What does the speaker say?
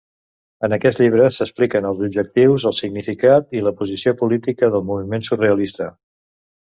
En aquest llibre s'expliquen els objectius, el significat i la posició política del moviment surrealista.